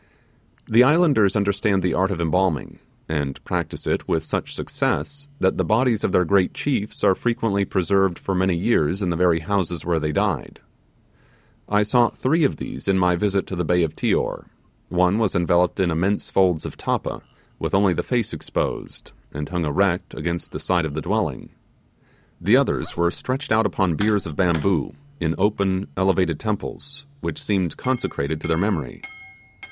The islanders understand the art of embalming, and practise it with such success that the bodies of their great chiefs are frequently preserved for many years in the very houses where they died. I saw three of these in my visit to the Bay of Tior. One was enveloped in immense folds of tappa, with only the face exposed, and hung erect against the side of the dwelling. The others were stretched out upon biers of bamboo, in open, elevated temples, which seemed consecrated to their memory.